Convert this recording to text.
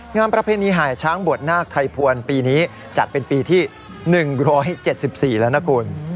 งามประเพณีหายช้างบวชนากไทยภวรปีนี้จัดเป็นปีที่หนึ่งร้อยเจ็ดสิบสี่แล้วนะคุณ